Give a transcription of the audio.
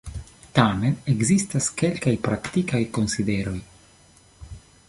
Tamen ekzistas kelkaj praktikaj konsideroj.